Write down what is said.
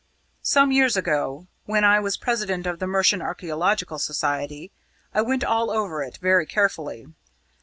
Some years ago, when I was President of the Mercian Archaeological Society, I went all over it very carefully.